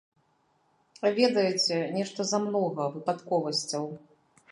Ведаеце, нешта замнога выпадковасцяў.